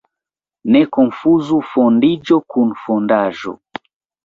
Ne konfuzu fondiĝo kun fondaĵo.